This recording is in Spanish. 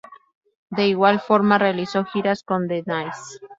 De igual forma, realizó giras con The Nice.